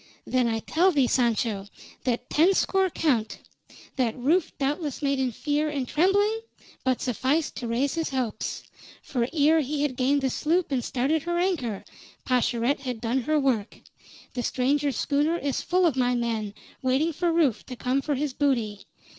Then I tell thee, Sancho, that ten score count, that Rufe doubtless made in fear and trembling, but sufficed to raise his hopes. For ere he had gained the sloop and started her anchor, Pascherette had done her work. The stranger's schooner is full of my men, waiting for Rufe to come for his booty.